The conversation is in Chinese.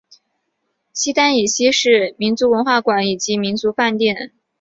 西单以西是民族文化宫以及民族饭店。